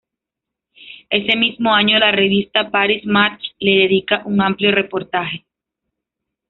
Ese mismo año la revista Paris Match le dedica un amplio reportaje.